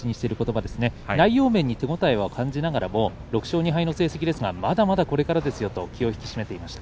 内容面に手応えは感じながらも６勝２敗の成績ですがまだまだこれからですよと気を引き締めていました。